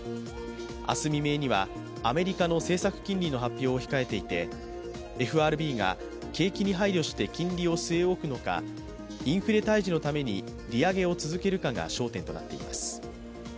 明日未明にはアメリカの政策金利の発表を控えていてＦＲＢが景気に配慮して金利を据え置くのかインフレ退治のために利上げを続けるかが焦点となっています。